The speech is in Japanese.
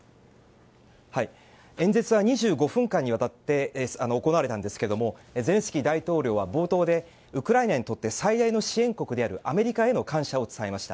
演説は２５分間にわたって行われたんですがゼレンスキー大統領は冒頭でウクライナにとって最大の支援国であるアメリカへの感謝を伝えました。